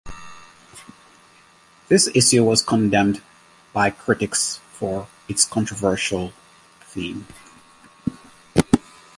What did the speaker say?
The issue was condemned by critics for its controversial theme.